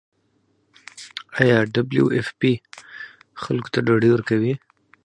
آیا ډبلیو ایف پی خلکو ته ډوډۍ ورکوي؟